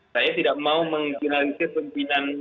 saya tidak mau mengginalisir pimpinan